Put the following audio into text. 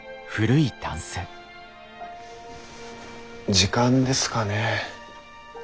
時間ですかね。